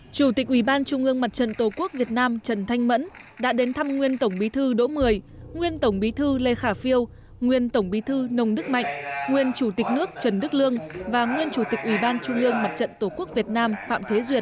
chủ tịch ubnd mặt trận tổ quốc việt nam trần thanh mẫn đã đến thăm nguyên tổng bí thư đỗ mười nguyên tổng bí thư lê khả phiêu nguyên tổng bí thư nông đức mạnh nguyên chủ tịch nước trần đức lương và nguyên chủ tịch ubnd mặt trận tổ quốc việt nam phạm thế duyệt